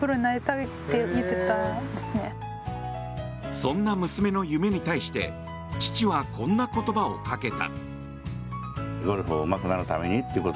そんな娘の夢に対して父はこんな言葉をかけた。